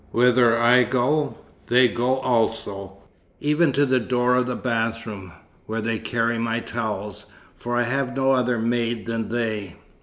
Whither I go, they go also, even to the door of the bathroom, where they carry my towels, for I have no other maid than they."